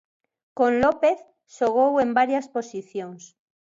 Con López xogou en varias posicións.